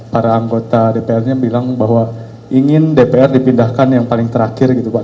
para anggota dpr nya bilang bahwa ingin dpr dipindahkan yang paling terakhir gitu pak